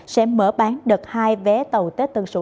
sẽ mở bán đợt hai vé tàu tết tân sủ